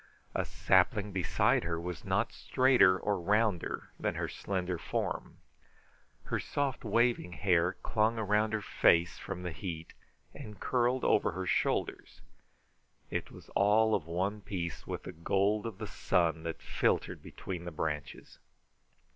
A sapling beside her was not straighter or rounder than her slender form. Her soft, waving hair clung around her face from the heat, and curled over her shoulders. It was all of one piece with the gold of the sun that filtered between the branches.